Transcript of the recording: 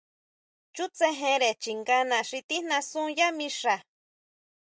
Chútsejere chingana xi tijnasú yá mixa.